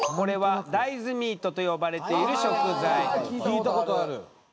聞いたことある。